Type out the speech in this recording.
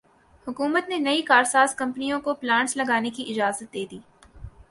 حکومت نے نئی کارساز کمپنیوں کو پلانٹس لگانے کی اجازت دیدی